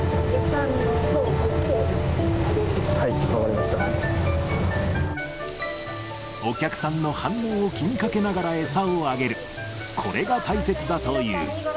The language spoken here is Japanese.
ありがとうごお客さんの反応を気にかけながら餌をあげる、これが大切だという。